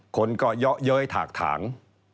คนก็เยอะเย้ยถากถาง